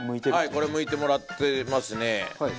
これむいてもらってますね。